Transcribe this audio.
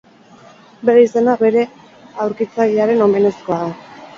Bere izena bere aurkitzailearen omenezkoa da.